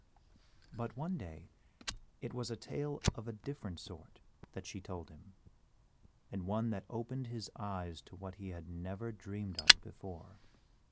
But one day it was a tale of a different sort that she told him, and one that opened his eyes to what he had never dreamed of before.